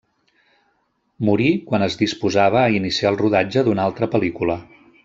Morí quan es disposava a iniciar el rodatge d'una altra pel·lícula.